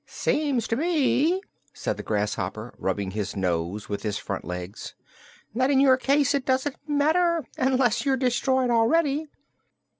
"Seems to me," said the grasshopper, rubbing his nose with his front legs, "that in your case it doesn't matter unless you're destroyed already."